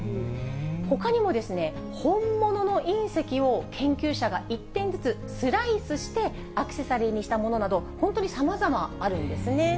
ほかにも本物の隕石を研究者が１点ずつスライスしてアクセサリーにしたものなど、本当にさまざまあるんですね。